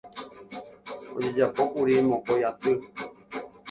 Ojejapókuri mokõi aty.